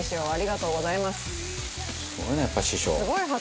「すごいねやっぱり師匠」